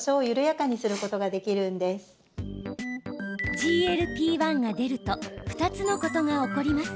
ＧＬＰ−１が出ると２つのことが起こります。